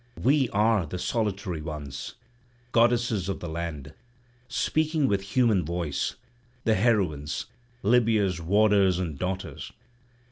We are the solitary ones, goddesses of the land, speaking with human voice, the heroines, Libya's warders and daughters.